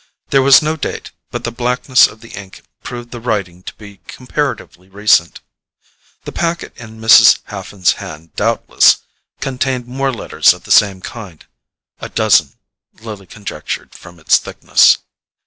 There was no date, but the blackness of the ink proved the writing to be comparatively recent. The packet in Mrs. Haffen's hand doubtless contained more letters of the same kind—a dozen, Lily conjectured from its thickness.